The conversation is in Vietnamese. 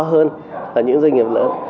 hơn là những doanh nghiệp lớn